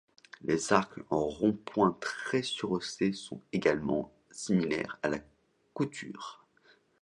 Les arcs en ronds-points très surhaussés sont également similaires à la Couture.